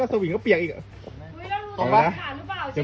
มันบีบไปก่อนได้ไหมเอา